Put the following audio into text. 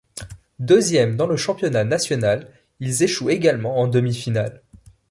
Deuxièmes dans le championnat national, ils échouent également en demi-finales.